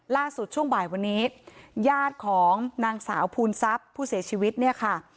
ช่วงบ่ายวันนี้ญาติของนางสาวภูนทรัพย์ผู้เสียชีวิตเนี่ยค่ะ